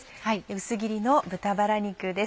薄切りの豚バラ肉です